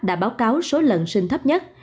đã báo cáo số lần sinh thấp nhất